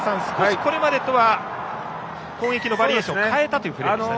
これまでとは攻撃のバリエーションを変えたというプレーでしたね。